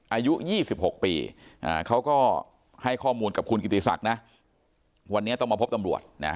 อายุ๒๖ปีเขาก็ให้ข้อมูลกับคุณกิติศักดิ์นะวันนี้ต้องมาพบตำรวจนะ